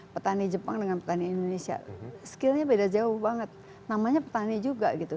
petani jepang dengan petani indonesia skillnya beda jauh banget namanya petani juga gitu